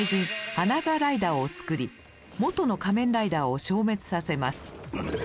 「アナザーライダー」を作り元の仮面ライダーを消滅させます。